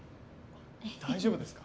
大丈夫ですか？